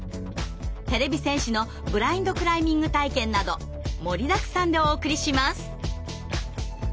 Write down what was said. てれび戦士のブラインドクライミング体験など盛りだくさんでお送りします！